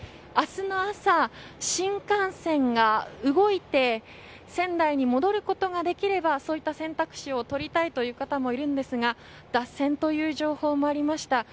明日の朝新幹線が動いて仙台に戻ることができればそうした選択肢を取りたいという方もいるのですが脱線という情報もありました。